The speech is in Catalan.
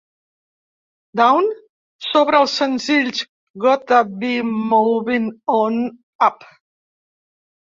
Dawn sobre el senzill "Gotta Be Movin' On Up".